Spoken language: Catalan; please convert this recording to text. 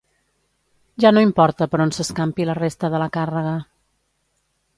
Ja no importa per on s'escampi la resta de la càrrega.